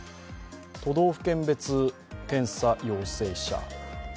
都道府県別、検査陽性者。